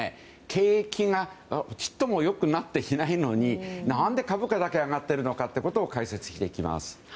景気がちっとも良くなっていないのに何で株価だけ上がっているんだということを解説していきます。